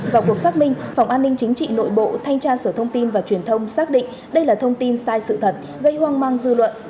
vào cuộc xác minh phòng an ninh chính trị nội bộ thanh tra sở thông tin và truyền thông xác định đây là thông tin sai sự thật gây hoang mang dư luận